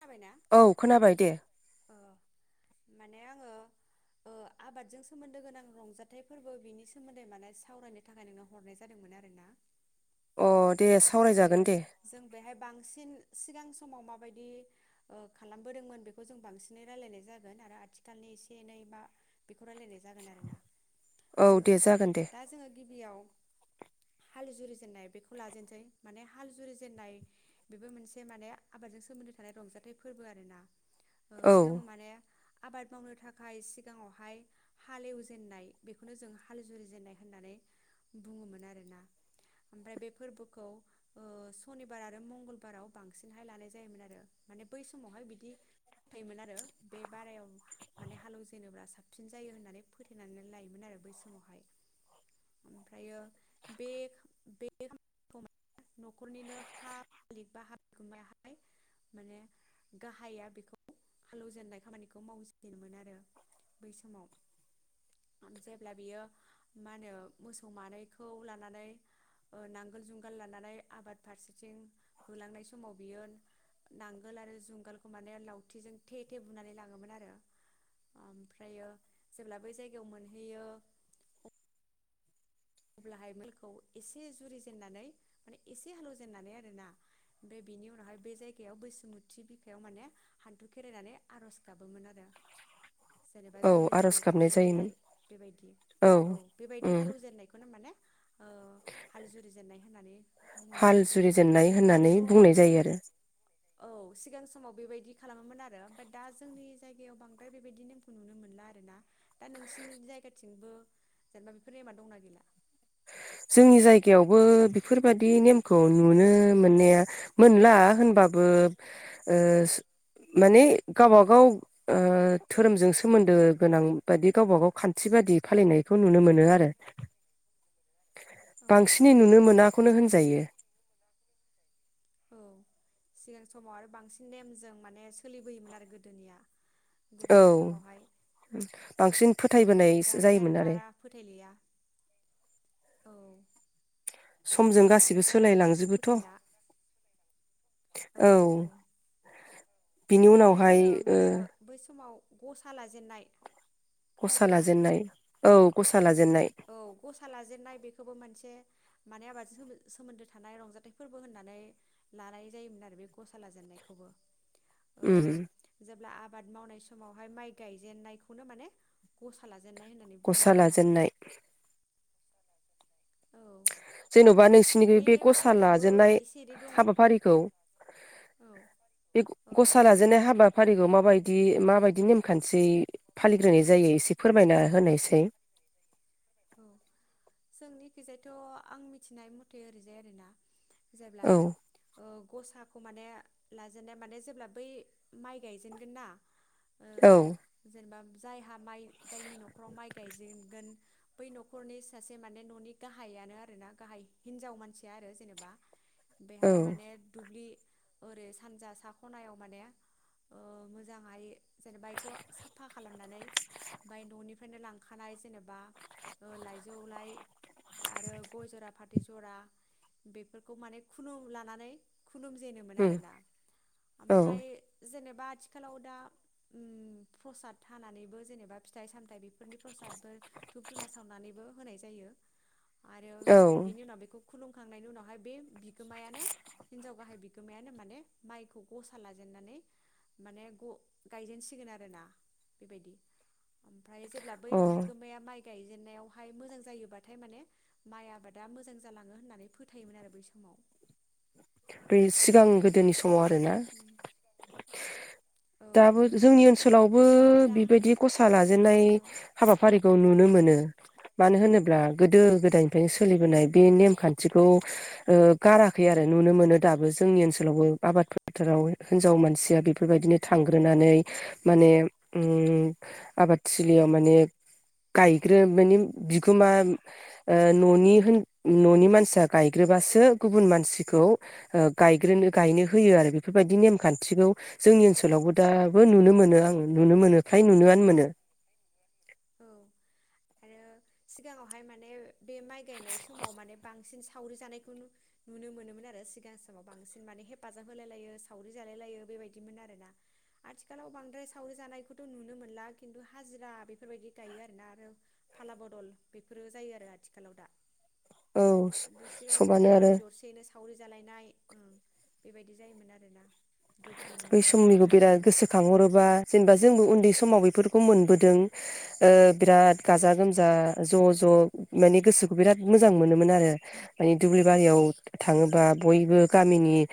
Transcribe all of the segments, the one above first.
खोनाबायना औ खोनाबाय दे। ओ माने आङो ओ आबादजों सोमोन्दो गोनां रंजाथाइ फोरबो बिनि सोमोन्दै माने सावरायनो थाखाय नोंनाव हरनाय जादोंमोन आरोना। अ दे ओमफ्रायो सावरायजागोन दे जों बेहाय बांसिन सिगां समाव माबायदि ओ खालामबोदोंमोन बेखौ जों बांसिनै रायलायनाय जागोन आरो आथिखालनि एसे एनै मा बेखौ रायलायनाय जागोन आरोना औ ओ दे जागोन दे दा जोङो गिबियाव हाल जुरिजेननाय बेखौ लाजेनसै माने हाल जुरिजेननाय बेबो मोनसे माने आबादजों सोमोन्दो रंजाथाइ फोरबो आरो ना। ओ औ जों माने आबाद मावनो थाखाय सिगाङावहाय हालेवजेननाय बेखौनो जों हाल जुरिजेननाय होननानै बुङोमोन आरोना ओमफ्राय बे फोरबोखौ ओ सनिबार आरो मंगलबाराव बांसिनहाय लानाय जायोमोन आरो। माने बै समावहाय बिदि फोथायोमोन आरो बे बारायाव माने हालौजेेनोब्ला साबसिन जायो होननानै फोथायनानै लायोमोन आरो बै समावहाय ओमफ्रायो बे बे खामानिखौ न'खरनिनो [unintelligible] माने गाहाया बेखौ हालौजेननाय खामानिखौ मावजेनोमोन आरो बै समाव जेब्ला बियो मा होनो मोसौ मानैखौ लानानै ओ नांगोल जुंगाल लानानै आबाद फारसेथिं होलांनाय समाव बियो नांगोल आरो जुंगालखौ माने लावथिजों थे थे बुनानै लाङोमोन आरो ओमफ्रायो जेब्ला बै जायगायाव मोनहैयो अब्लाहाय मोलखौ एसे जुरिजेननानै माने एसे हालौजेननानै आरोना बे बेनि उनावहाय बे जायगायाव बैसोमुथि बिखायाव माने हान्थु खेरायनानै आरज गाबोमोन आरो। जेनेबा औ जुरि आर'ज जेननाय गाबनाय जाहैबाय जायोमोन नालाय बेबायदि औ बेबायदि उम हालौ जेननायखौ माने ओ हाल जुरि जेननाय होननानै बुङोमोन हाल आरो जुरिजेननाय होननानै दाथ' बुंनाय औ जायो आरो सिगां समाव बेबायदि खालामोमोन आरो बोट दा जोंनि जायगायाव बांद्राय बेबायदि नेमखौ नुनो मोनला आरोना दा नोंसिनि जायगाथिंबो जेनेबा बेफोर नेमा दंना गैला? जोंनि जायगायावबो बेफोरबादि नेमखौ नुनो मोननाया मोनला होनबाबो ओ माने गावबा गाव ओ धोरोमजों सोमोन्दो गोनां बादि गावबा गाव खान्थि बादि फालिनायखौ नुनो मोनो आरो। औ बांसिनै नुनो मोना खौनो होनजायो। औ सिगां समाव आरो बांसिन नेमजों माने सोलिबोयोमोन आरो गोदोनिया। गोदोनि औ समावहाय बांसिन फोथायबोनाय ओमफ्राय दानिया आरो जायोमोन बारा फोथायलिया औ समजों दानिया गासिबो आरो बारा बेफोरखौ सोलायलांजोबोथ'। फोथायला औ औ। बिनि आरो उनावहाय जोङो मा ओ होनो बै समाव गसा लाजेन्नाय गसा लाजेननाय औ ग'सा लाजेननाय। औ ग'सा लाजेननाय बेखौबो मोनसे माने आबादजों सोमो सोमोन्दो थानाय रंजाथाइ फोरबो होननानै लानाय जायोमोन आरो बे ग'सा लाजेननायखौबो ओ उम जेब्ला आब बाद मावनाय समावहाय माइ गायजेननायखौनो माने ग'सा ला ग'सा लाजेननाय। औ जेनबा नोंसिनि बे बे नेमाथ' ग'सा दाबो लाजेननाय एसे एनै दङ औ हाबाफारिखौ बे औ ग'सा लाजेननाय हाबाफारिखौ मा बायदि माबायदि नेम खान्थियै फालिग्रोनाय जायो एसे फोरमायना होनायसाय। औ जोंनिखिजायथ' आं मिथिनाय मथे ओरैजाय आरोना जेब्ला औ ओ ग'साखौ माने लाजेननाय माने जेब्ला बै माइ गायजेनगोन ना ओ औ जेनेबा जायहा माइ जायनि न'खराव माइ गायजेनगोन बै न'खरनि सासे माने न'नि गाहायानो आरोना गाहाय हिनजाव मानसिया आरो जेनेबा औ बेहाय माने दुब्लि ओरै सानजा सा ख'नायाव माने मोजाङहै जेनेबा बेखौ साफा खालामनानै ओमाय न'निफ्रायनो लांखानाय जेनेबा लाइजौ लाइ आरो गय जरा फाथै जरा बेफोरखौ माने खुलु लानानै खुलुम जेनोमोन उम आरोना औ ओमफ्राय जेनेब बा आथिखालाव दा उम प्रसाद हानानैबो जेनेबा फिथाइ सामथाय नि प्रसाद बो धुना सावनानैबो होनाय जायो आरो औ बिनि उनाव बेखौ खुलुमखांनायनि उनावहाय बे बिगोमायानो हिनजाव गाहाय बिगोमायानो माने माइखौ गसा लाजेननानै माने ग-गायजेनसिगोन आरोना बेबायदि ओमफ्राय जेब्ला बै अ बिगोमाया माइ गायजेनायावहाय मोजां जायोबाथाय माने माइ आबादा मोजां जालाङो होननानै फोथायोमोन आरो बै समाव बे सिगां गोदोनि सम माव आरोना औ दाबो औ जोंनि ओमफ्राय ओनसोलावबो दा बेबायदि गसा लाजेननाय औ हाबाफारिखौ नु नुनो मोनो मानो होनोब्ला गोदो गोदायनिफायनो सोलिबोनाय बे नेम खान्थिखौ ओ गाराखै आरो नुनो मोनो दाबो जोंनि ओनसोलावबो आबाद फोथाराव हिनजाव मानसिया बेफोरबायदिनो थांग्रोनानै माने आबादथिलियाव माने गायग्रो माने बिगोमा न'निहो-न'नि मानसिया गायग्रोबासो गुबुन मानसिखौ गायग्रोनो गायनो होयो आरो बेफोरबायदि नेमखान्थिखौ जोंनि ओनसोलाव औ दाबो नुनो मोनो आङो नुनो मोनो फ्राय नुनोआनो मोनो औ आरो सिगाङावहाय माने बे माइ गायनाय समाव माने बां बांसिन सावरि जानायखौ नुनो मोनोमोन आरो सिगां समाव बांसिन माने हेफाजाब होलाय लायो सावरि जालाय लायो बेबायदिमोन आरोना आथिखालाव बांद्राय सावरि जानायखौथ' नुनो मोनला खिन्थु हाजिरा बे बेफोरबायदि गायो आरोना आरो फाला बदल बेफोरो जायो आरो आथिखालाव दा औ खिन्थु सिगां सबानो समाव आरो गामि दरसेयैनो सावरि जालायनाय ओ बेबायदि जायोमोन आरोना गोगोम बै जायोमोन समनिखौ बिराद बेबायदिनो गोसोखांहरोबा जेनेबा जोंबो उन्दै समाव बेफोरखौ मोनबोदों ओ बिराद गाजा गोमजा ज' ज ज' माने गोसोखौ बिराद मोजां मोनोमोन आरो मानि दुब्लि बारियाव औ थाङोबा बयबो गामिनि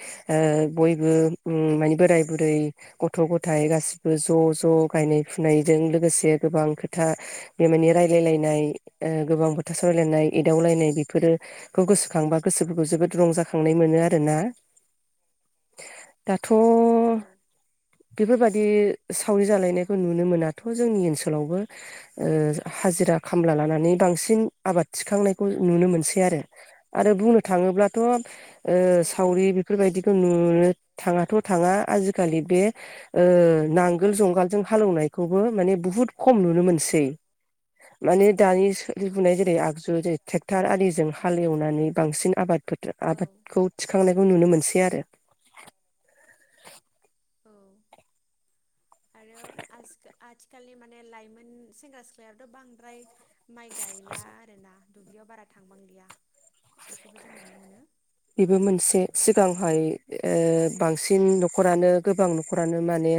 बयबो ओम माने बोराय बुरै गथ' गथायाइ गासिबो ज' ज' गायनाय फुनायजों लोगोसे गोबां खोथा बे माने रायलायलायनाय गोबां खोथा सावरायलायनाय एदावलायनाय बेफोरोफोरखौ गोसोखांबा गोसोफोरखौ जोबोद रंजाखांनाय मोनो आरोना दाथ' अ बेफोरबादि सावरि जालायनायखौ नुनो मोनाथ' जोंनि ओनसोलावबो हाजिरा खामला लानानै बांसिन आबाद थिखांनायखौ नुनो मोनसै आरो आरो बुंनो थाङोब्लाथ' ओ औ सावरि बेफोरबायदिखौ नुयो नुनो थाङाथ' थाङा आजिखालि बे नांगोल जुंगालजों हालेवनायखौबो माने बुहुत खम नुनो मोनसै औ माने दानि औ सोलिबुनाय जेरै आगजु जेरै ट्रेक्टर आरिजों हाल एवनानै बांसिन आबाद औ आबादखौ थिखांनायखौ नुनो मोनसै आरो औ आरो आजिखा-आजि आथिखालनि माने लाइमोन सेंग्रा सिख्लायाथ' बांद्राय माइ गायला आरोना दुब्लियाव बारा थांबांलिया बेखौबो जों नुनो मोनो बेबो मोनसे सिगांहाय ओ आरो बांसिन न'खरानो गोबां न'खरानो माने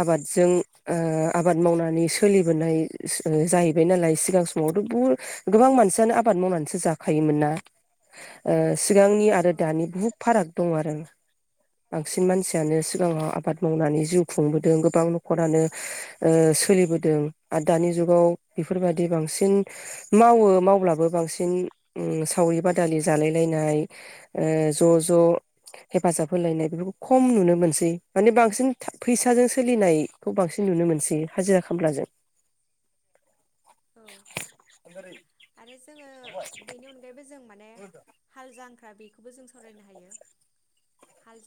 आबादजों ओ आबाद मावनानै सोलिबोनाय जाहैबाय नालाय सिगां समावथ' बहु गोबां मानसियानो आबाद मावनानैसो औ जाखायोमोन ना ओ सिगांनि आरो औ दानि बुहुद फाराग दं आरो बांसिन मानसियानो औ सिगाङाव आबाद मावनानै जिउ खुंबोदों गोबां न'खरानो ओ सोलिबोदों आरो दानि जुगाव बेफोरबायदि बांसिन मावो उम मावब्लाबो बांसिन उम सावरि बादालि जानाय [unintelligible] नाय ओ ज' ज' हेफाजाब होलायनाय बेफोरखौ खम नुनो मोनसै माने बांसिन फैसाजों सोलिनायखौ बांसिन नुनो मोनसै हाजिरा खामलाजों औ [unintelligible] [unintelligible] बेनि अनगायैबो जों माने हालजां ख्रा बेखौबो जों सावरायनो हायो। हाल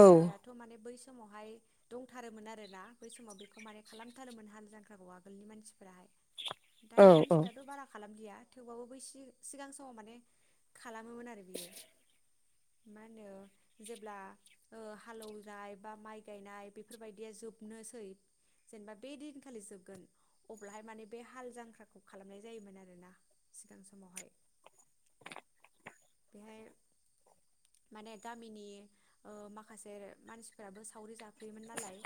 औ माने बैसो समावहाय दंथारोमोन आरोना बै समाव बेखौ माने खालामथारोमोन हाल जांख्राखौ आगोलनि मानसिफोराहाय औ दानि औ मानसिफ्राथ' बारा खालाम लिया थेवबाबो सि-सिगां समाव माने खालामोमोन आरो बेयो मा ओनो जेब्ला ओ हालेवनाय बा माइ गायनाय बेफोर बायदिया जोबनोसै जेनोबा बै दिनखालि जोबगोन अब्लाहाय माने बे हाल जांख्राखौ खालामनाय जायोमोन आरो ना सिगां समावहाय बेहाय माने गामिनि ओ माखासे मानसिफोराबो सावरि जाफैयोमोन नालाय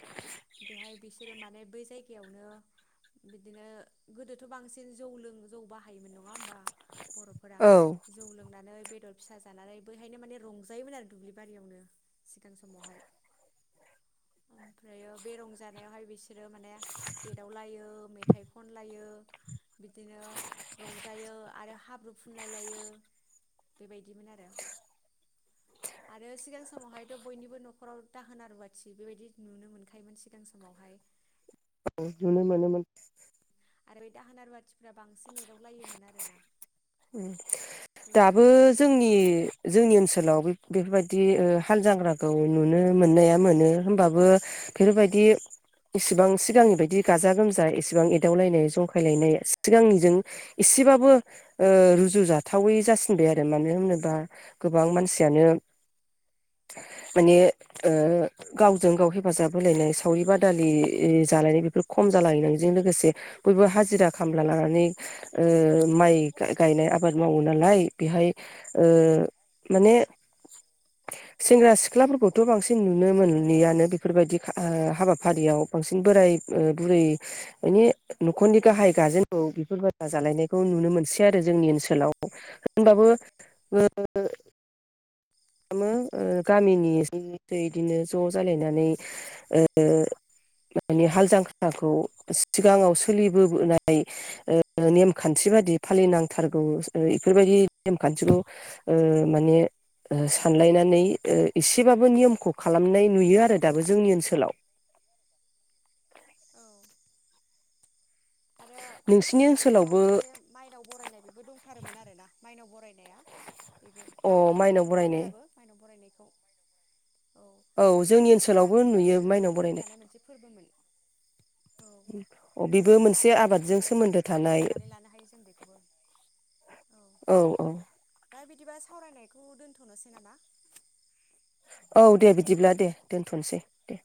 बेहाय बिसोरो माने बै जायगायावनो बिदिनो गोदोथ' बांसिन जौ लों जौ बाहायोमोन नङा होमबा बर'फोरा औ जौ लोंनानै बेदर फिसा जानानै बैहायनो माने रंजायोमोन आरो दुब्लि बारियावनो सिगां समावहाय ओमफ्रायो बे रंजानायावहाय बिसोरो माने एदावलायो मेथाइ खनलायो बिदिनो रंजायो आरो हाब्रु फुनलाय लायो बेबायदिमोन आरो। आरो सिगां समावहायथ' बयनिबो न'खराव दाहोना रुवाथि बेबायदि नुनो मोनखायोमोन सिगां समावहाय नुनो मोनोमोन आरो बे दाहोना रुवाथिफ्रा बांसिन एदाव लायोमोन आरो ना उम दाबो जोंनि जोंनि ओनसोलावबो बेफोर बायदि ओ हालजांख्राखौ नुनो मोननाया मोनो होमबाबो बेफोरबायदि इसेबां सिगांनि बायदि गाजा गोमजा एसेबां एदावलायनाय जंखायलायनाय सिगांनिजों इसेबाबो ओ रुजुजाथावै जासिनबाय आरो मानो होनोबा गोबां मानसियानो माने ओ गावजों गाव हेफाजाब होलायनाय सावरि बादालि जालायनाय बेफोर खम जालायनायजों लोगोसे बयबो हाजिरा खामला लानानै ओ माइ गा-गायनाय आबाद मावो नालाय बेहाय ओ औ माने सेंग्रा सिख्लाफोरखौथ' बांसिन नुनो मोनलियानो बेफोरबायदि ओ हाबाफारियाव बांसिन बोराय ओ बुरै मानि न'खरनि गाहाय गार्जेनखौ बेफोर बा जालायनायखौ नुनो मोनसै। आरो जोंनि ओनसोलाव होनबाबो ओ खामो ओ गामिनि बिबायदिनो ज' जालायनानै ओ माने हाल जांख्राखौ सिगाङाव सोलिबोबोनाय ओ नेमखान्थि बादि फालिनांथारगौ ओ इफोरबायदि नेमखान्थिखौ ओ माने ओ सानलायनानै ओ एसेबाबो नियमखौ खालामनाय नुयो आरो दाबो जोंनि ओनसोलाव। औ आरो नोंसिनि सिगां ओनसोलावबो समाव मोनसे माइनाव बरायनाय बेबो दंथारोमोन आरोना माइनाव बर बेबो अ दाबो माइनाव [unintelligible] बेखौ बरायनाय दाबो माइनाव बरायनाय खौ औ बेबो जोंनि मोनसे ओनसोलावबो माने नुयो आबादजों माइनाव सोमोन्दो बरायनाय थानाय मोनसे फोरबोमोन औ अ बेबो माने मोनसे आबादों सोमोन्दो आबादजों थानाय मोनसे फोरबो थानाय होननानै लानो हायो जों बेख खौबो औ औ। दा बिदिबा सावरायनायखौ दोन्थ'नोसै नामा? औ दे बिदिब्ला दे। दोन्थ'सै दे।